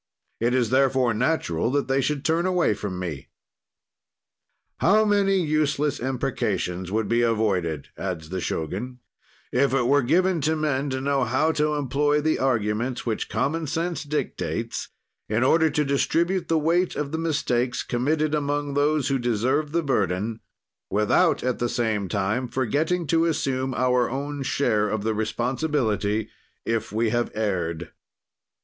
"'It is, therefore, natural that they should turn away from me.' "How many useless imprecations would be avoided," adds the Shogun, "if it were given to men to know how to employ the arguments which common sense dictates, in order to distribute the weight of the mistakes committed among those who deserve the burden, without, at the same time, forgetting to assume our own share of the responsibility if we have erred.